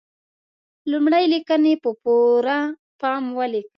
لمړی: لیکنې په پوره پام ولیکئ.